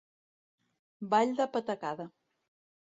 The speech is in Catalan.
Ball de patacada.